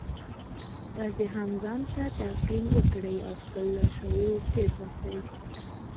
تاسې هم ځان ته تلقين وکړئ او خپل لاشعور تېر باسئ.